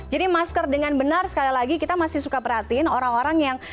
jadi masker dengan benar sekali lagi kita masih suka perhatiin orang orang yang